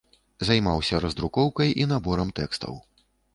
Займаўся раздрукоўкай і наборам тэкстаў.